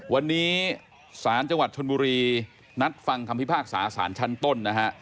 วันนี้ศาลจังหวัดชนบุรีนัดฟังคำพิพากษาสารชั้นต้นนะฮะ